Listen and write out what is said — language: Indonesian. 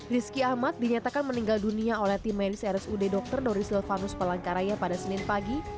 rizki ahmad dinyatakan meninggal dunia oleh tim medis rsud dr doris lelvanus pelangkaraya pada senin pagi